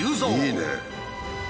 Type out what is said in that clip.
いいね。